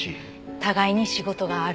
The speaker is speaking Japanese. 互いに仕事がある。